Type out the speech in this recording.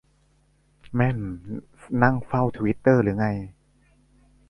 แม่มนั่งเฝ้าทวิตเตอร์รึไง